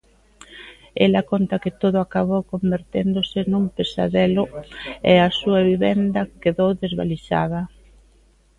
Ela conta que todo acabou converténdose nun pesadelo e a súa vivenda quedou desvalixada.